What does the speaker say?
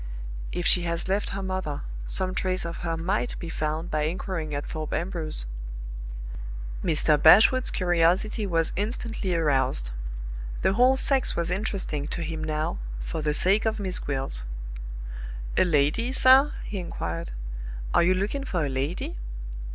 "If she has left her mother, some trace of her might be found by inquiring at Thorpe Ambrose." Mr. Bashwood's curiosity was instantly aroused. The whole sex was interesting to him now, for the sake of Miss Gwilt. "A lady, sir?" he inquired. "Are you looking for a lady?"